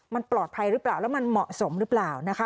มันปลอดภัยหรือเปล่าแล้วมันเหมาะสมหรือเปล่านะคะ